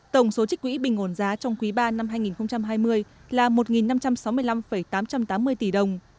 tổng số trích quỹ bình ổn giá trong quý ba năm hai nghìn hai mươi là một năm trăm sáu mươi năm tám trăm tám mươi tỷ đồng